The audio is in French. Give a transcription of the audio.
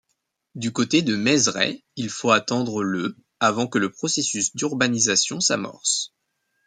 Du côté de Maizerets, il faut attendre le avant que le processus d'urbanisation s'amorce.